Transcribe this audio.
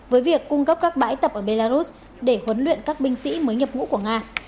với việc cung cấp các bãi tập ở belarus để huấn luyện các binh sĩ mới nhập ngũ của nga